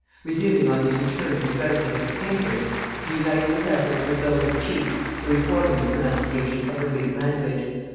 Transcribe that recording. Resuming on his return his residence at Cambridge, he united his efforts with those of Cheke for reforming the pronunciation of the Greek language.